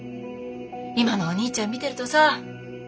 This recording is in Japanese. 今のお兄ちゃん見てるとさ。